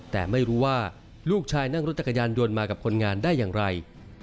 แต่ไม่รู้ว่าลูกชายนั่งรถจักรยานยนต์มากับคนงานได้อย่างไร